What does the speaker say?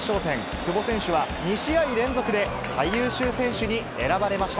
久保選手は２試合連続で最優秀選手に選ばれました。